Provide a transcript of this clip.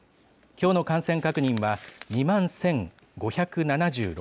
きょうの感染確認は２万１５７６人。